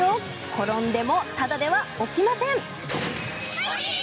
転んでもただでは起きません。